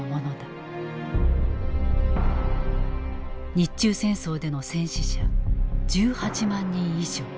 日中戦争での戦死者１８万人以上。